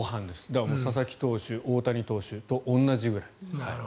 だから、佐々木投手、大谷投手と同じぐらい。